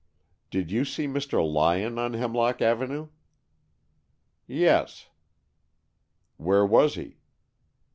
"Did you see Mr. Lyon on Hemlock Avenue?" "Yes." "Where was he?"